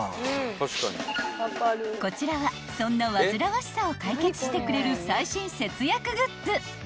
［こちらはそんな煩わしさを解決してくれる最新節約グッズ］